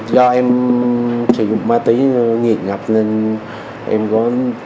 do em sử dụng ma túy nghiệt ngập nên em có